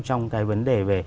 trong cái vấn đề về